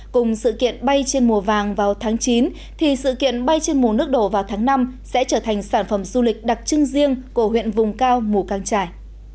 cùng sự kiện bay trên mùa vàng vào tháng chín thì sự kiện bay trên mùa nước đổ vào tháng năm sẽ trở thành sản phẩm du lịch đặc trưng riêng của huyện vùng cao mù căng trải